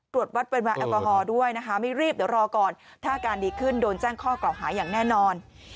ตรวจวัดปริมาณแอลกอฮอล์ด้วยนะคะไม่รีบเดี๋ยวรอก่อนถ้าอาการดีขึ้นโดนแจ้งข้อกล่าวหาอย่างแน่นอน